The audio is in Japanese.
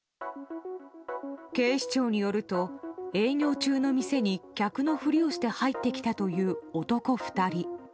警視庁によると営業中の店に客のふりをして入ってきたという男２人。